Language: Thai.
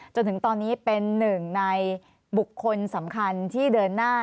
จนถึงตอนนี้เป็นหนึ่งในบุคคลสำคัญที่เดินหน้า